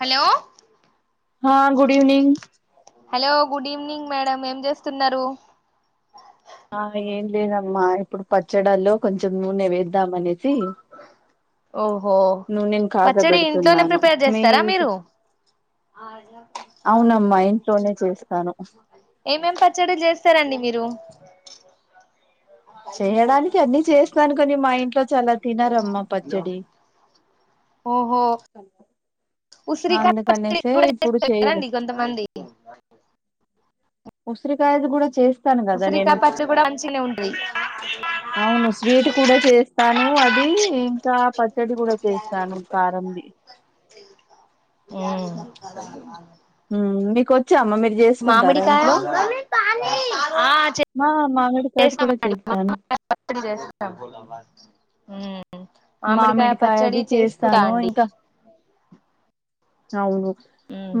Hello హా good evening hello good evening madam ఏం చేస్తున్నారు ఆ ఏం లేదమ్మా ఇప్పుడు పచ్చడాల్లో కొంచెం నూనె వేద్దాం అనేసి ఓహో పచ్చడి ఇంట్లోనే కాగబెడుతున్నాను ప్రిపేర్ మీ చేస్తారా ఇంక్ మీరు ఆ అవునమ్మా [unintelligible] ఇంట్లోనే చేస్తాను ఏమేం పచ్చడిలు చేస్తారండి మీరు చేయడానికి అన్నీ చేస్తాను కాని మా ఇంట్లో చాలా తినరమ్మా పచ్చడి ఓహో ఉసిరి పచ్చడి అందుకనేసే కూడా ఇప్పుడు చేస్తారు చేయలే కదండి కొంతమంది ఉసిరికాయది కూడా చేస్త్ త్తాను కదా నేను ఉసిరికాయ పచ్చడి కూడా మంచిగానే ఉంటది అవును స్వీట్ కూడా చేస్తాను. అద్ ది ఇంకా పచ్చడి కూడా చేస్తాను కారం ది కదా [unintelligible] హ్మ్ మీకోచ్ మామిడికాయ ఆ చె మా మామిడికాయది చేసిన కూడా మా చేస్తాను [unintelligible] పచ్చడి చేసినం మ్మ్ మ్ ఆమిడికాయ మామిడికాయది పచ్చడి చేసుకుట చేస్తాను అండి నవును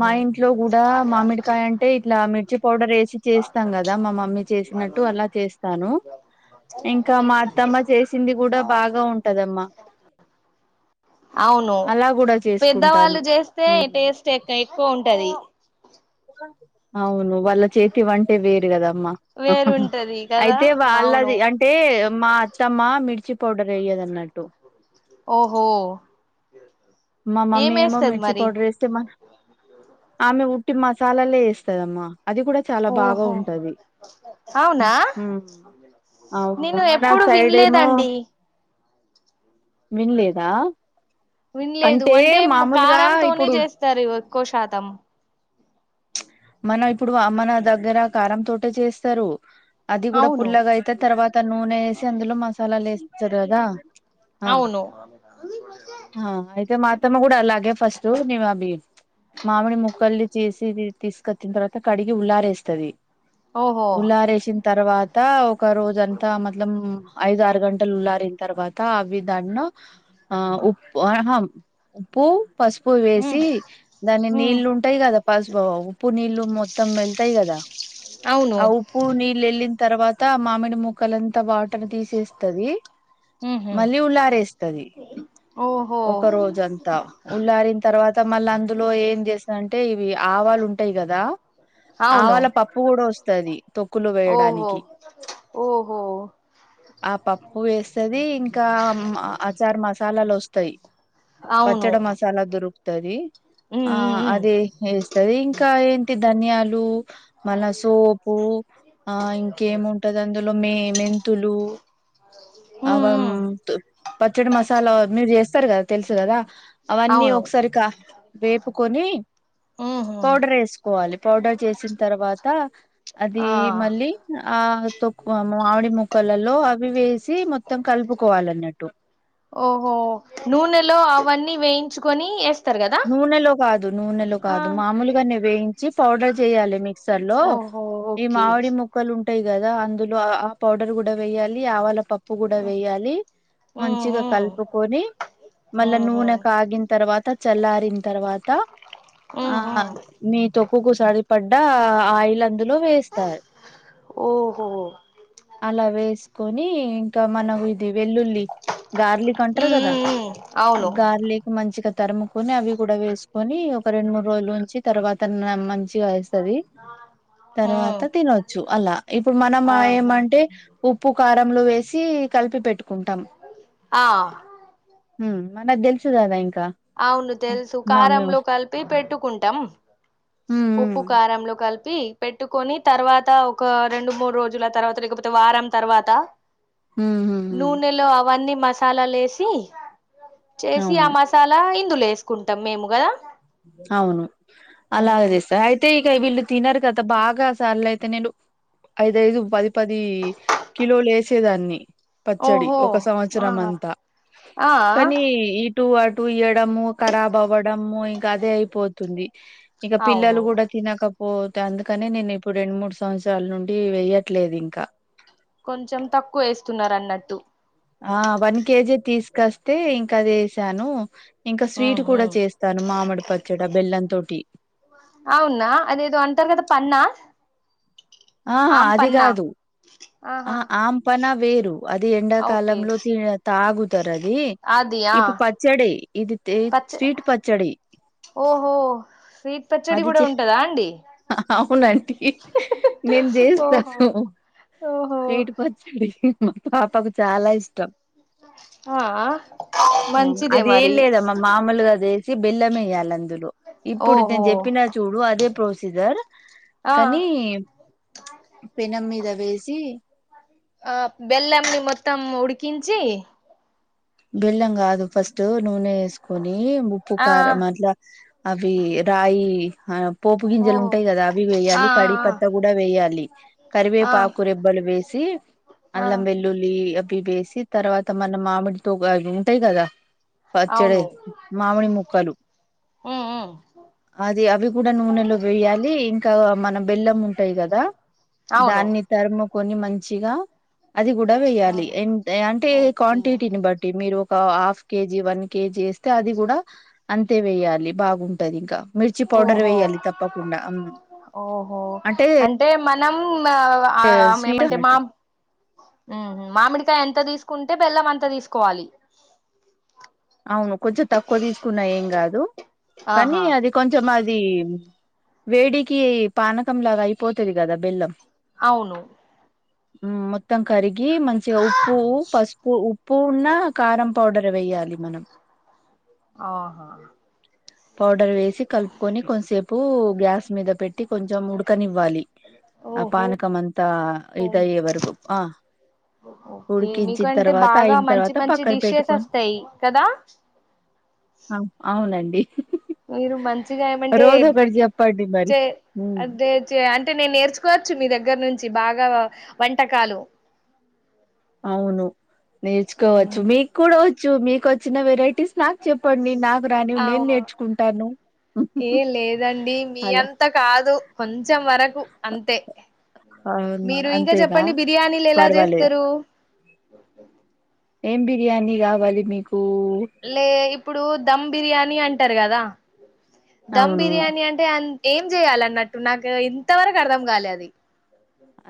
మా ఇంట్లో కూడా మామిడికాయ అంటే, ఇట్లా మిర్చి పౌడర్ వేసి చేస్తాం కదా మా మమ్మీ చే సినట్టు అలా చేస్తాను. ఇంకా మా అత్తమ్మ చేసింది కూడా బాగా ఉంటదమ్మా అ అలా కూడా చేసుకుంటాను. తే ఉమ్. టేస్ట్ ఎక్క ఎక్కువ ఉంటది అవును వాళ్ళ చేతి వంటే వేరు కదమ్మా, అహహ్ వేరుంటది కదా అయితే అవును వాళ్ళది అంటే మా అత్తమ్మా మిర్చి పౌడర్ ఎయ్యదు అన్నట్టు ఓహో మా మమ్మీ ఏమో ఏమేస్తది మిర్చి మరి పౌడర్ ఎస్తేర్ మా ఆమె ఉ ట్టి మసాలలే వేస్తదమ్మా అది కూడా చాలా బాగా ఓహో ఉంటది. హ్ అవునా మ్మ్ అవును నేను మన ఎప్పుడు సైడ్ ఏమో వినలేదండి విన్లేదా విన్లేదు అంటే మ్ కారంతోనే ఇప్పుడు జేస్తారు ఈరో కోశాతం ఉన్న ఇప్పుడు ఆ అమ్మ నా దగ్గర కారం తోటే చేస్తారు. అది కూడా అవును పుల్లగ అయితే తర్వాత నూనె వేసి అందులో మసాలాలు వేస్తారు కదా ఆ అవును అహ అయితే మర్ త్తమ్మ కూడా అలాగే ఫస్ట్ నేన్ అబ్బి ప్చ్ మామిడి ముక్కల్ ది చేసిది. తీస్కో తిన్ తర్వాత కడిగి ఉల్లారేస్తది ఓహో ఉల్లారేసిన్ తర్వాత ఒక రోజంతా మద్లం ఐదు ఆరు గంటలు ఉల్లారిన్ తర్వాత అవి దన్నో ఆ ఉప్పు అహ మ్ ఉప్పు పసుపు ఉమ్ వేసి దాని ఉమ్ నీళ్లు ఉంటాయి కదా పసుపూవ్ ఉప్ప ప్పు నీళ్ళు మొత్తం మెల్తాయ్ కదా అవును ఆ ఉప్పు నీళ్ళ్ ఎల్లిన్ తర్వాత మామిడి ముక్కలంతా వాటర్ తీసేస్తది ఉహు మళ్ళీ ఉల్లారేస్తది ఓహో ఒక రోజంతా ఉల్లారిన్ తర్వాత మళ్ళ అందులో ఏం చేస్తదంటే ఇవి ఆ టైయ్ కదా అవును ఆవాళ్ళ పప్పు కూడా వస్తది తొక్కులు ఓహో వేయడానికి ఓహో ఆ పప్పు వేస్తది ఇంకా అచార్ మసాలాలేస్ తయ్ అవును పచ్చడ మసాలా దొరుకుతది ఉమ్ ఆ ఉమ్ ఉమ్ అదే వేస్తది ఇంకా ఏంటి ధన్యాలు మళ సోపు ఆ ఇంకేముంటది అందులో మె మెంతులు ఉమ్ అవమ్ ఉమ్ పచ్చడి మసాలా అన్నీ చేస్ కదా తెలుసు కదా అవన్నీ అవును ఒకసారి క వేపుకొని ఉహు పౌడర్ ఏసుకోవాలి పౌడర్ చేసిన తర్వాత అది ఆ మళ్ళీ ఆ తొక్కు మామిడి ముక్కలల్లో అవి వేసి మొత్తం కలుపుకోవాలన్నట్టు ఓహో నూనెలో అవన్నీ వేయించుకొని ఎస్ నూనెలో కాదు నూనెలో కాదు మామూలుగానే వేయించి పౌడర్ జెయాలి మిక్సర్ లో ఓహో ఈ ఓకే మామిడి ముక్కలు ఉంటాయి గదా అందులో ఆ పౌడర్ గుడా వెయ్యాలి ఆవళ పప్పు గుడా వేయాలి మంచిగా ఉహు కల్పుకొని మళ్ళ ఉహు నూనె కాగిన్ తర్వాత చల్లారిన్ తర్వాత ఆ ఉహు మీ తొక్కుకు సరి పడ్డ ఆయిల్ అందులో వేస్త ఓ అలా వేస్కోని ఇంకా మనం ఇది వెల్లుల్లి గార్లిక్ అంటరు గదా ఉ అవును గార్లిక్ మంచిగ తరుముకొని అవి గుడా వేసుకోని ఒక రొండు మూడు రోజులుంచి తర్వాత మ వస్తది ఉ తర్వాత తినొచ్చు అలా ఇప్పుడు మనమా ఆహా ఏమంటే ఉప్పు కారంలు వేసి కలిపి పెట్టు ఆ హ్మ్ మనక్ తెల్షు గదా ఇంక్ అవును తెలుసు కారంలో కలిపి పెట్టుకుంటం ఉమ్ ఉప్పు కారంలో కల్పి పెట్టుకొని తర్వాత ఒక రెండు మూడు రోజుల తర్వాత లేకపోతే వారం తర్వాత ఉమ్ ఉమ్ ఉమ్ నూనెలో అవన్నీ మసాలాలేసి చేసి ఆ అవును అలా ఇందు లేసుకుంటాం మేము గా అవును అలాగే చేస్తా అయితే వీళ్ళు తినరు కదా బాగా సార్లైతే ఐదైదు పది పది కిలో లేసేదాన్ని పచ్చడి ఓహో ఒక సంవత్సరం ఆహా అంతా ఆ కానీ ఈ టు అటు ఇయడము కరాబ్ అవ్వడము ఇంకదే అయిపోతుంది ఇగ అవును పిల్లలు గూడ తినక పోత్ అందుకని నేను ఇప్పుడు రెండు మూడు సంవత్సరాల నుండి వెయ్యట్లేదు ఇంకా కొంచెం తక్కువ వేస్తున్నారన్నట్టు ఆ వన్ కేజీ తీస్కస్తే ఇంకది ఏసాను ఇంక స్వీట్ ఉహు కూడా చేస్తాను మామిడి పచ్చడ బెల్లం తోటి అవునా అదేదో అంటారు కదా పన్నా ఆహా ఆమ్ అది పన్నా గాదు ఆ ఆహా ఆంపన్న వేరు అది ఓకే ఎండాకాలంలో తి తాగుతరది అది ఆ ఇప్పు పచ్చడి ఇది తే పచ్చ స్వీట్ పచ్చడి ఓహో స్వీట్ పచ్చడి అది గుడా చే ఉంటదా అండి అవునండి నేన్ ఓహో జేస్తాను ఓహో స్వీటు పచ్చడి మా పాపకు చాలా ఇష్టం ఆ ఆ మంచిదే అదేం మరి లేదమ్మా మామూలుగా జెస్ చి బిల్లమేయ్యాలందులో ఇప్పుడు నేను ఓహో జెప్పిన చూడు అదే ప్రొసీజర్ ఆ కనీ పెనం మీద వేసి ఆ బెల్లంని మొత్తం ఉడికించి బెల్లంగాదు ఫస్ట్ నూనె ఏసుకొని ఉప్పు ఆ కారం అట్ల అవి రాయి ఆ పోపు గింజలు ఓహో ఉంటయి గదా అవి ఆ వేయాలి కడి ఆ పత్తా గూడ వేయాలి ఆ కరివేపాకు రెబ్బలు వేసి ఆ అల్లం వెల్లుల్లి తి వేసి తర్వాత మన మామిడితో గ అవి ఉంటయి గదా పచ్చడే అవును మామిడి ముక్కలు ఉమ్ ఉమ్ అది అవి గూడ నూనెలో వేయాలి ఇంకా మన బెల్లం ఉంటది గదా అవును దాన్ని తర్ము కొని మంచిగా అది గూడ వేయాలి ఎన్ అంటే ఓకే క్వాంటిటీని బట్ మీరు ఒక హాఫ్ కేజీ, వన్ కేజీ వేస్తే అది గూడా అంతే వేయాలి బాగుంటదింకా మిర్చి పౌడర్ ఓహో వేయాలి తప్పకుండా ఉమ్ అంటే నం ఆ స్వీట్ ఏమంటే అన్నట్టు మామ్ మామిడికాయంట్ త తీసుకుంటే బెల్లం అంత దీసుకోవాలి అవును కొంచెం తక్కువ దీసుకున్నా ఏం కాదు కనీ ఆహా అది కొంచెం అద్ దీ వేడికి పానకంలాగా అయిపోతది కదా బెల్లం అవును ఉమ్ మొత్తం కరిగి గి మంచిగా ఉప్పు పసుపు ఉప్పు ఉన్న కారం పౌడర్ వేయాలి మనం ఆహా పౌడ్ డర్ వేసి కలుపుకొని కొంసేపు గ్యాస్ మీద పెట్టి కొంచెం ఉడకనివ్వాలి ఆ ఓహో పానకమంతా ఇదయ్యే వరకు ఆ ఓకే మీకంటే ఉడికించిన్తర్వాత బాగా మంచి అయిన్తర్వాత మంచి పక్కన డిషెస్ పెట్టుకొని వస్తాయి కదా అ అవునండి మీరు మంచిగ ఏమంటే రోజు ఒకటి చెప్పండి మరి చే ఉమ్, అదే చేయ అన్ టే నేను నేర్చుకోవచ్చు మీ దగ్గర నుంచి బాగా వంటకాలు అవును నేర్చుకోవచ్చు మ్మ్ మీక్కుడ వచ్ చ్చు మీకొచ్చిన వెరైటీస్ నాకు చెప్పండి నాకు రానివి నేను అవును నేర్చుకుంటాను ఏ లేదండి మీ అలా అంత కాదు కొంచెం వరకు అంతే అవును మీరు ఇంకా అంతేనా చెప్పండి బిర్యానీలెలా పర్వాలేదు చేస్తరు ఏం బిర్యానీ గావాలి మీకు లే ఇప్పుడు దమ్ బిర్యానీ అంటరు గదా దమ్ అవును బిర్యానీ అంటే అన్ ఏం జేయాలన్నట్టు నాకు ఇంతవరకు అర్ధం గాలే అది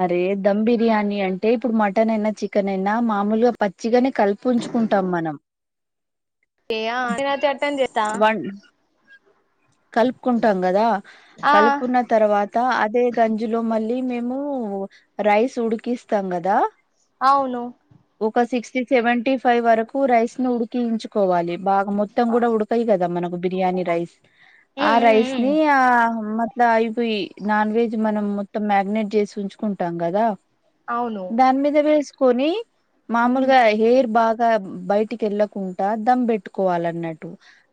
అరే దమ్ బిర్యానీ అంటే ఇప్పుడు మటన్ అయినా చికెన్ అయినా మామూలుగా పచ్చిగనే కలిపుంచుకుంటాం మనం ఏ ఆ అ నేనైతే అట్టని చేస్తా వన్ కల్పుకుంటాం కదా ఆ కలుపుకున్న తర్వాత్ తా అదే గంజిలో మళ్ళీ మేము రైస్ ఉడికిస్తాం గదా అవును టి సెవెంటీ ఫైవ్ వరకు రైస్ ను ఉడికించుకోవాలి బాగా మొత్తం గూడ ఉడకయి గదా మనకు బి బిర్యాని రైస్ ఆ మ్మ్ మ్మ్ రైస్ మ్మ్ ని ఆ మ అయిపోయి నాన్ వెజ్ మనం మొత్తం మ్యాగినేట్ చేసి ఉంచుకుంటాం కదా అవును దాని మీద వేసుకొని మ్మ్ మామూలుగా హెయిర్ బాగా ఇ బయటికి వెళ్ళకుండా దమ్ పెట్టుకోవాల అన్నట్టు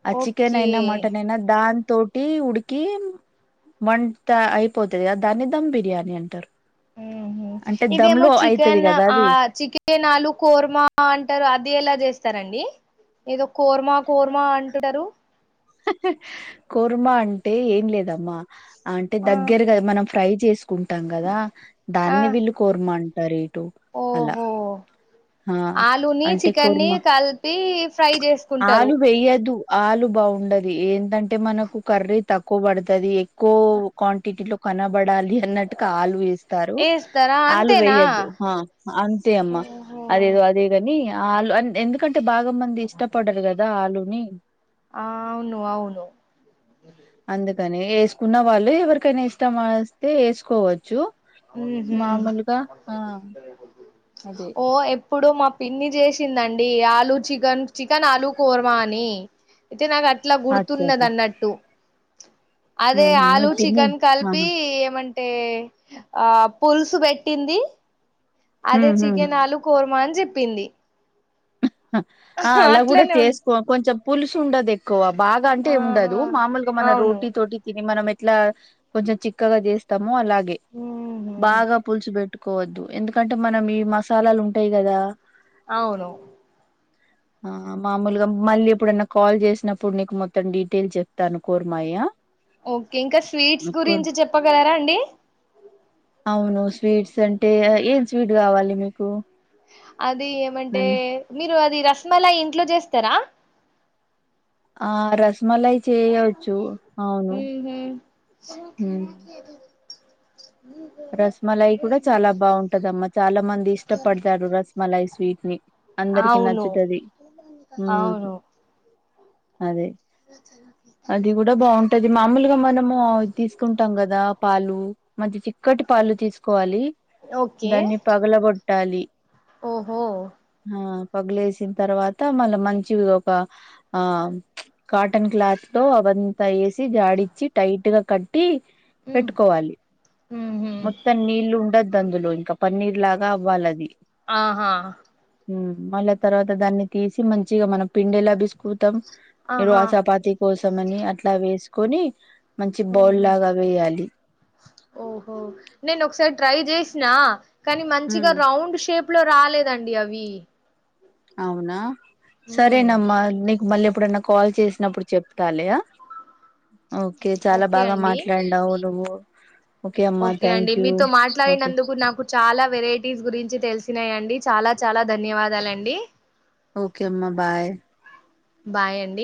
ఆ చికెన్ ఓకే అయినా మటన్ అయినా దాన్ తోటి ఉడికి వంట అయిపోతుంది కదా దాన్ని దమ్ బిర్యానీ అంటారు ఉ ఉహు ఇదేమో చికెన్ ఆ చికెనాలు ఆలు కుర్మా అంటారు అది ఎలా చేస్తారండి ఏదో కూరమా కూరమా అంటుంటారు కూర్మ అంటే ఏం లేదమ్మా అంటే ఆ దగ్గరగా మనం ఫ్రై చేసుకుంటాం కదా ఆ దాన్ని వీల్లు కూర్మ అంటారు ఇటు అలా ఓహో ఆ ఆలుని అంటే చికెన్ ని కుర్మ కలిపి ఫ్రై చేసుకుంటారు ఆలు వేయ్యదు ఆలు బాగు ఉండది ఏంటంటే మనకు కర్రీ తక్కువ పడుతుది ఎక్కువ క్వాంటిటీ లో కనబడాలి అన్నట్టుగా ఆలు వేస్తారు ఏస్తారా ఆలు అంతేనా వేయొద్దు అంతే అమ్మ ఓహో అదేదో అదే ని ఆలు ఎందుకంటే బాగా మంది ఇష్టపడ్డారు కదా ఆలుని ఆ అవును అవును అందుకని వేసుకున్న వాళ్ళు ఎవరికైనా ఇష్టం వస్తే వేసుకోవచ్చు ఉ హు మామూలుగా ఆ అదే ఓ ఇప్పుడు మా పిన్ని చేసిందండి ఆలు చికెన్ చికెన్ ఆలు కుర్మా అని అయితే నాకు అట్లా అచ్చ గుర్తున్నది అచ్చ అన్నట్టు అదే మీ ఆలు పిన్ని చికెన్ కలిపి ఆహా ఏమంట అంటే ఆ పులుసు పెట్టింది అదే చికెనాలు కుర్మన్ చెప్పింది ఆ అలా కూడా అట్లనే ఉ చేసుకో కొంచెం పులుసు ఉండదు ఎక్కువ బాగా అంటే ఆహా ఉండదు మామూలుగా మనం అవును రోటీ తోటి తిని మనం ఎట్లా కొంచెం చిక్కగా చేస్తాం అలాగే ఉహు బాగా పులుసు పెట్టుకోవద్దు ఎందుకంటే మనం ఈ మసాలాలు ఉంటాయి కదా అవును ఆ ఆ మామూలుగా మళ్ళీ ఎప్పుడైన్న కాల్ చేసినప్పుడు నీకు మొత్తం డీటెయిల్స్ చెప్తాను కుర్మయ్య ఓకే ఇంకా స్వీట్స్ గురించి చెప్పగలరా అండి అవును స్వీట్స్ అంటే ఏం స్వీట్ కావాలి మీకు అది ఏమంటే అన్ని మీరు అది రసమలా ఇంట్లో చేస్తారా ఆ రసమలై చేయవచ్చు అవును ఉహు రసమలాయి కూడా చాలా బాగుంటదమ్మా చాలా మంది ఇష్టపడతారు రసమలాయి స్వీట్ ని అందరికి అవును నచ్చుతది ఊ అవును అదే అది కూడా బాగుంటుంది అది మామూలుగా మనము తీసుకుంటాం కదా పాలు మంచి చిక్కటి పాలు తీసుకోవాలి ఓకే దాన్ని పగలగొట్టాలి ఓహో ఆ పగులేసిన తర్వాత మళ్ళీ మంచివి ఒక ఆ కాటన్ క్లాత్ లో అవంతా వేసి జాడిచ్చి టైట్ గా కట్టి ఉ పెట్టుకోవాలి ఉహు మొత్తం నీళ్ళ ఉండ తదందులో ఇంకా పన్నీర్ లాగా అవ్వాలది ఆహా మ్మ్ మళ్ళా తర్వాత దాన్ని తీసి మంచిగా మనం పిండేలాభిసుకుతాం. మీరు ఆ ఆహా సపాతి కోసమని అట్లా వేసుకొని మంచి బౌల్ ఉహు లాగా వేయాలి. ఓహో నేను ఒకసారి ట్రై చేసిన కానీ మంచిగా ఉమ్ రౌండ్ షేప్ ప్లో రాలేదండి అవి అవునా మ్మ్ సరేనమ్మ నీ మళ్ళీ ఎప్పుడైన్నా కాల్ చేసినప్పుడు చెప్తాలే ఓకే చాలా ఓకే బాగా అండి మాట్లాడినావు నువ్వు అమ్మా ఓకే అండి థ్యాంక్ యూ మీతో ఓకే మాట్లాడినందుకు నాకు చాలా వెరైటీస్ గురించి తెలుసు తునాయండి చాలా చాలా ధన్యవాదాలండి ఓకేమ్మా బాయ్ బాయ్ అండి